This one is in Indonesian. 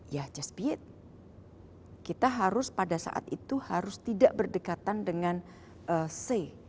ya just beet kita harus pada saat itu harus tidak berdekatan dengan c